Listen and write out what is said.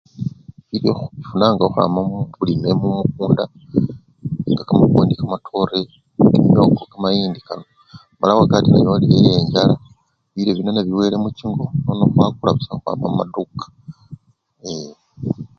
Bilyo khufunanga khukhwama mumikunda nga kamapwondi, kamatore, kimyoko, kamayindi kano mala wakati neyolile yenjala bilyo bino nebiwele muchingo nono khwakula busa khwama mumaduka ee!.